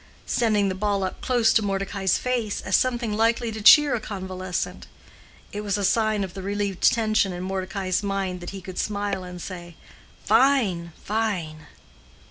sending the ball up close to Mordecai's face, as something likely to cheer a convalescent. It was a sign of the relieved tension in Mordecai's mind that he could smile and say, "Fine, fine!"